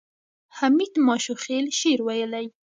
حمید ماشوخېل شعر ویلی.